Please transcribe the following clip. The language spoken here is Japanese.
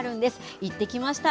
行ってきました。